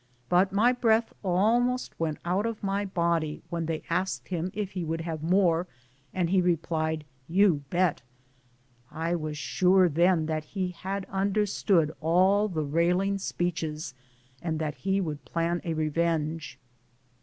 But my breath almost went out of my body when they asked him if he would have more, and he replied, " You bet." I was sure then that he had understood all the railing speeches and that he would plan a revenge.